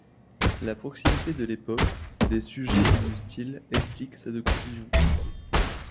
La proximité de l’époque, des sujets et du style explique cette confusion.